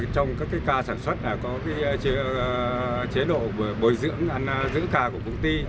trong các ca sản xuất có chế độ bồi dưỡng giữ ca của công ty